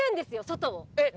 外を。